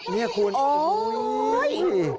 นี่คุณโอ้ยโอ้ย